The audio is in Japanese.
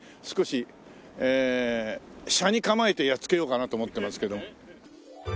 少し斜に構えてやっつけようかなと思ってますけども。